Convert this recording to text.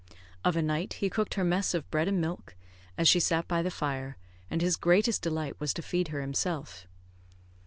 Of a night, he cooked her mess of bread and milk, as she sat by the fire, and his greatest delight was to feed her himself.